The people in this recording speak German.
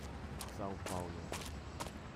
Sao Paolo